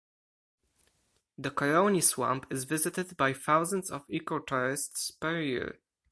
The Caroni Swamp is visited by thousands of eco-tourists per year.